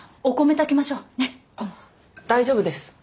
大丈夫です。